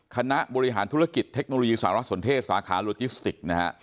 คณะบริหารธุรกิจเทคโนโลยีสารสนเทศสาขาโลจิสติกนะฮะ